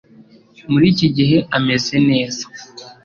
Muri iki gihe ameze neza